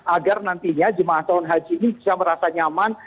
agar nantinya jemaah calon haji ini bisa merasa nyaman